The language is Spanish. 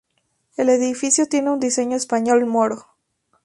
El edificio tiene un diseño español-moro.